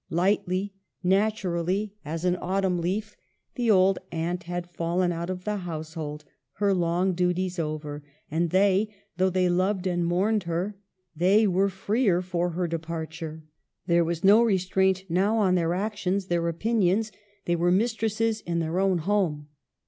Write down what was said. Lightly, naturally, as an autumn leaf, the old aunt had fallen out of the household, her long duties over ; and they — though they loved and mourned her — they were freer for her departure. There was no restraint now on their actions, their opinions ; they were mistresses in their own home.